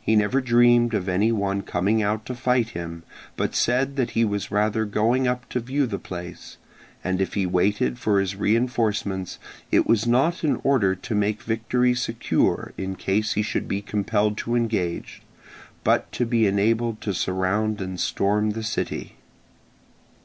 He never dreamed of any one coming out to fight him, but said that he was rather going up to view the place; and if he waited for his reinforcements, it was not in order to make victory secure in case he should be compelled to engage, but to be enabled to surround and storm the city.